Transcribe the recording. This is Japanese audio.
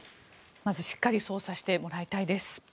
まずしっかり捜査してもらいたいです。